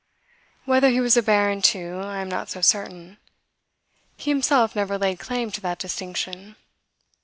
Whether he was a baron, too, I am not so certain. He himself never laid claim to that distinction.